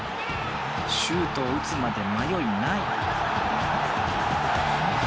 シュートを打つまで迷いない。